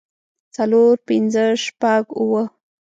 څلور پنځۀ شپږ اووه